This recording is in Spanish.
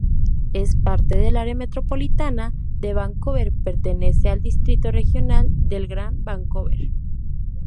Es parte del Área Metropolitana de Vancouver, pertenece al Distrito Regional del Gran Vancouver.